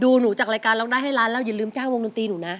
หนูจากรายการร้องได้ให้ล้านแล้วอย่าลืมจ้างวงดนตรีหนูนะ